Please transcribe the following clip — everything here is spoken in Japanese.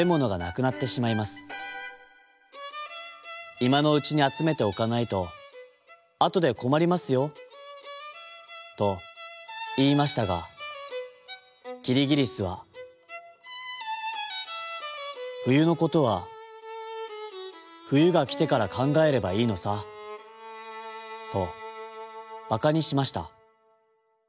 いまのうちにあつめておかないとあとでこまりますよ」といいましたがキリギリスは「ふゆのことはふゆがきてからかんがえればいいのさ」とばかにしました。